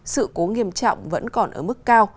sự cố nghiêm trọng vẫn còn ở mức cao